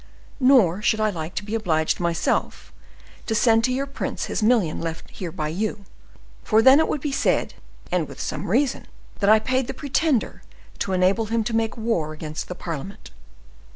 Nor should I like to be obliged, myself, to send to your prince his million left here by you; for then it would be said, and with some reason, that I paid the Pretender to enable him to make war against the parliament.